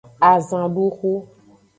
Azanduxu.